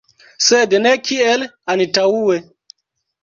Sed ne kiel antaŭe.